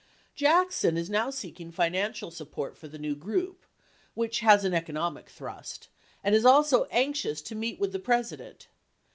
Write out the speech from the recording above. Jackson is now seeking financial support for the new group (which has an economic thrust) and is also anxious to meet with the Presi dent.